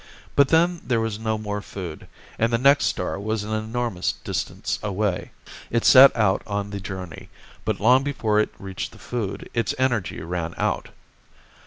But then there was no more food, and the next star was an enormous distance away. It set out on the journey, but long before it reached the food, its energy ran out.